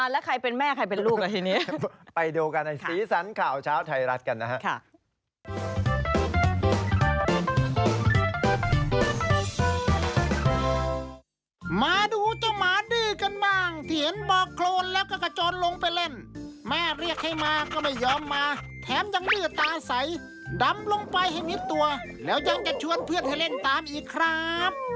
แล้วยังจะชวนเพื่อนให้เล่นตามอีกครับ